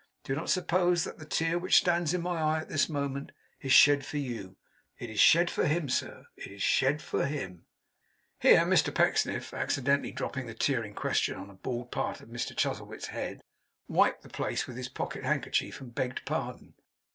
Do not suppose that the tear which stands in my eye at this moment, is shed for you. It is shed for him, sir. It is shed for him.' Here Mr Pecksniff, accidentally dropping the tear in question on a bald part of Mr Chuzzlewit's head, wiped the place with his pocket handkerchief, and begged pardon.